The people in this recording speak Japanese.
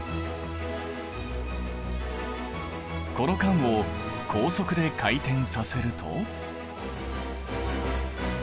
この缶を高速で回転させると。